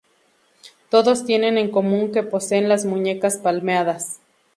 Todos tienen en común que poseen las muñecas palmeadas.